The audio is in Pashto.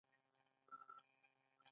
ایا جامې یې پاکې دي؟